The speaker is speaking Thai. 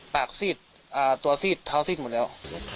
ซีดตัวซีดเท้าซีดหมดแล้ว